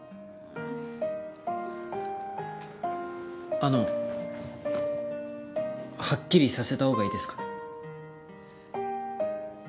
あのはっきりさせたほうがいいですかね？